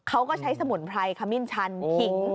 เขาก็ใช้สมุนไพรขมิ้นชันขิง